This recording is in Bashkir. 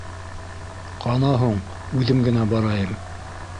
Ҡана һуң үҙем генә барайым!